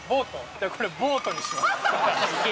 じゃこれボートにします